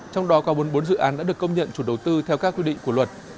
trong đó có bốn mươi bốn dự án đã được công nhận chủ đầu tư theo các quy định của luật